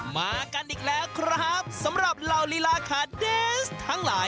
มากันอีกแล้วครับสำหรับเหล่าลีลาขาเดนส์ทั้งหลาย